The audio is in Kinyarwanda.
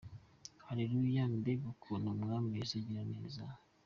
Halleluyah! Mbega ukuntu umwami yesu agira neza!.